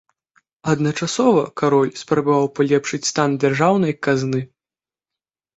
Адначасова кароль спрабаваў палепшыць стан дзяржаўнай казны.